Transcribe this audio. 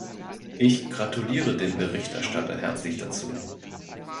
Ich gratuliere dem Berichterstatter herzlich dazu.